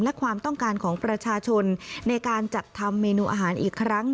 และความต้องการของประชาชนในการจัดทำเมนูอาหารอีกครั้ง